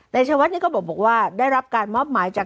ชวัดนี้ก็บอกว่าได้รับการมอบหมายจาก